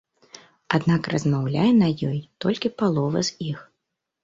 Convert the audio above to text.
Аднак размаўляе на ёй толькі палова з іх.